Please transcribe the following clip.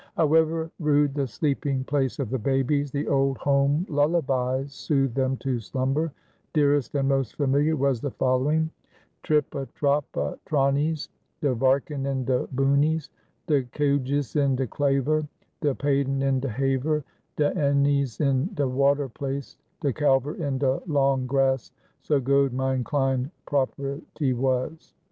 However rude the sleeping place of the babies, the old home lullabies soothed them to slumber. Dearest and most familiar was the following: Trip a trop a tronjes, De varken in de boonjes, De koejes in de klaver, De paaden in de haver, De eenjes in de water plas, De kalver in de lang gras, So goed myn klein poppetje was.